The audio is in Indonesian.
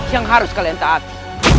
yang harus kalian taati